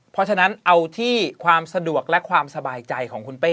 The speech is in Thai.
เพราะฉะนั้นเอาที่ความสะดวกและความสบายใจของคุณเป้